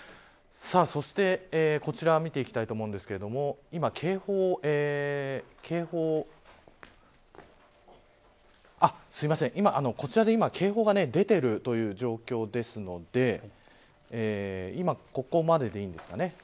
そして、こちら見ていきたいと思うんですけれどもすいません、こちらで今警報が出ているという状況ですので今ここまででいいんですかね。